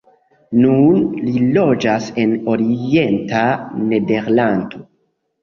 Nun li loĝas en orienta Nederlando.